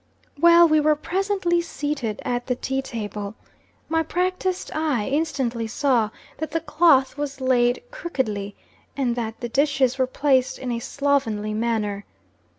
Well, we were presently seated at the tea table. My practised eye instantly saw that the cloth was laid crookedly, and that the dishes were placed in a slovenly manner.